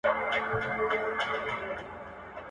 ذهني فشار د عادتونو بدلون راولي.